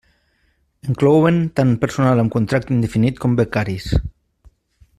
Inclouen tant personal amb contracte indefinit com becaris.